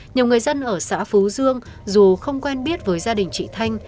nhiều người dân ở xã phú dương dù không quen biết với gia đình chị thanh